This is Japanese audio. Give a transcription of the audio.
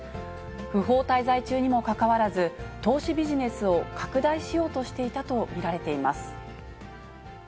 不法滞在中にもかかわらず、投資ビジネスを拡大しようとしていたと見られています。